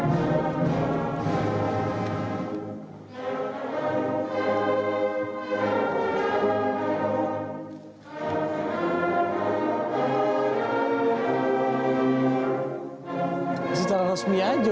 lagu kebangsaan indonesia raya